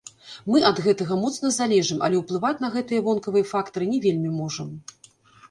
Мы ад гэтага моцна залежым, але ўплываць на гэтыя вонкавыя фактары не вельмі можам.